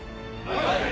はい。